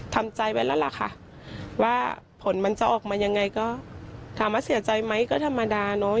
ทำใจไว้แล้วล่ะค่ะว่าผลมันจะออกมายังไงก็ถามว่าเสียใจไหมก็ธรรมดาเนอะ